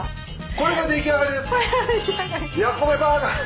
これが出来上がり。